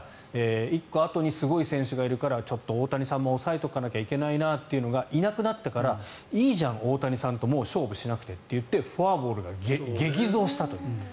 １個あとにすごい選手がいるからちょっと大谷さんも抑えておかなきゃいけないなというのがいなくなってから、いいじゃん大谷さんともう勝負しなくてと言ってフォアボールが激増したという。